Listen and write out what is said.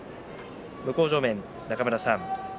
向正面の中村さん